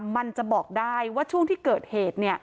มันจะบอกได้ว่าช่วงที่เกิดเหตุ